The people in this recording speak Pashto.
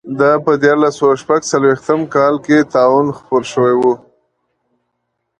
دا په دیارلس سوه شپږ څلوېښت کال کې طاعون خپور شوی و.